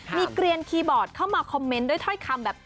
มีเกลียนคีย์บอร์ดเข้ามาคอมเมนต์ด้วยถ้อยคำแบบ